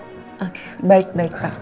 oke baik baik pak